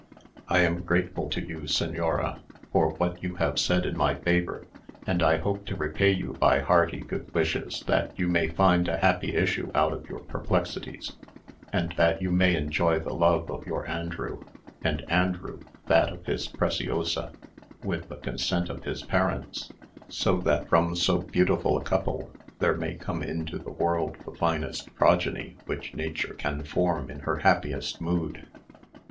I am grateful to you, señora, for what you have said in my favour; and I hope to repay you by hearty good wishes that you may find a happy issue out of your perplexities, and that you may enjoy the love of your Andrew, and Andrew that of his Preciosa, with the consent of his parents; so that from so beautiful a couple there may come into the world the finest progeny which nature can form in her happiest mood.